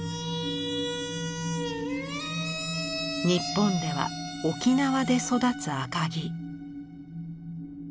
日本では沖縄で育つ赤木。